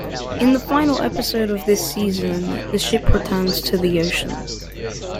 In the final episode of this season, the ship returns to the ocean.